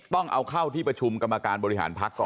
ต้องเอาเข้าที่ประชุมกรรมการบริหารพักก่อน